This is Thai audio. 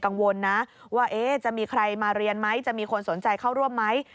กังวลนะว่าจะมีใครมาเรียนไหมจะมีคนสนใจเข้าร่วมไหม